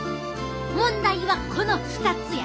問題はこの２つや。